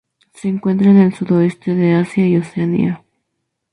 Se encuentra en el sudeste de Asia y Oceanía.